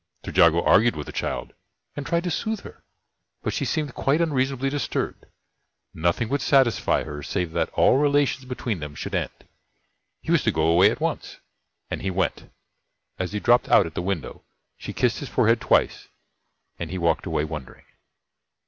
Trejago argued with the child, and tried to soothe her, but she seemed quite unreasonably disturbed. Nothing would satisfy her save that all relations between them should end. He was to go away at once. And he went. As he dropped out at the window, she kissed his forehead twice, and he walked away wondering.